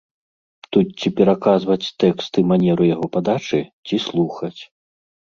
Тут ці пераказваць тэкст і манеру яго падачы, ці слухаць.